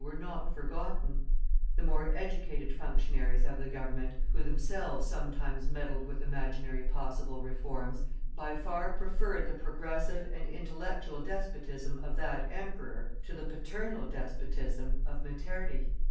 were not forgotten; the more educated functionaries of the Government, who themselves sometimes meddled with imaginary possible reforms, by far preferred the progressive and intellectual despotism of that Emperor to the "paternal" despotism of Metternich.